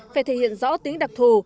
phải thể hiện rõ tính đặc thù